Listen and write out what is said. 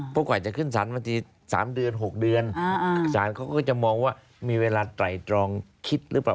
เพราะกว่าจะขึ้นสารมาที๓เดือน๖เดือนสารเขาก็จะมองว่ามีเวลาไตรตรองคิดหรือเปล่า